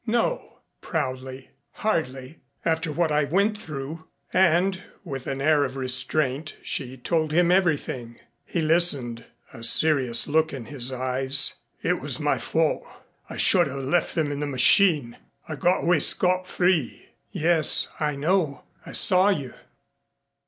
"No," proudly. "Hardly. After what I went through." And, with an air of restraint, she told him everything. He listened, a serious look in his eyes. "It was my fault. I should have left them in the machine. I got away scot free." "Yes, I know. I saw you."